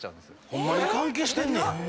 ホンマに関係してんねや。